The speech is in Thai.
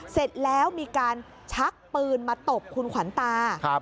เสร็จแล้วมีการชักปืนมาตบคุณขวัญตา